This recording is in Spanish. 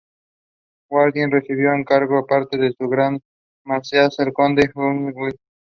Gaudí recibió el encargo de parte de su gran mecenas, el conde Eusebi Güell.